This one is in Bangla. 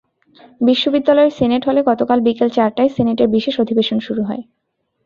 বিশ্ববিদ্যালয়ের সিনেট হলে গতকাল বিকেল চারটায় সিনেটের বিশেষ অধিবেশন শুরু হয়।